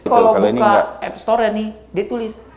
kalo buka app store ya nih dia tulis